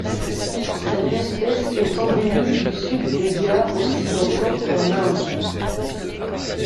Cette espèce est endémique du Sud des Ghâts occidentaux en Inde.